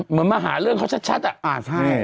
เหมือนมาหาเรื่องเขาชัดอ่ะ